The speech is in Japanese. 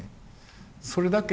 それだけ？